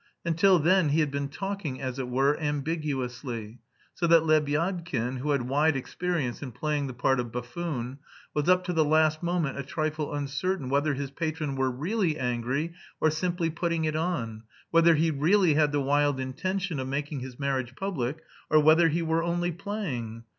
Until then he had been talking, as it were, ambiguously, so that Lebyadkin, who had wide experience in playing the part of buffoon, was up to the last moment a trifle uncertain whether his patron were really angry or simply putting it on; whether he really had the wild intention of making his marriage public, or whether he were only playing.